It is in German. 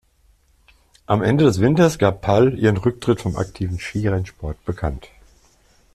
Am Ende des Winters gab Pall ihren Rücktritt vom aktiven Skirennsport bekannt.